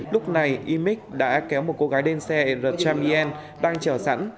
lúc này y minh đã kéo một cô gái đen xe rất tram yen đang chở sẵn